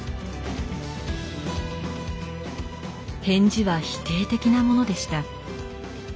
返事は否定的なものでした。